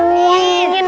ya pasti dong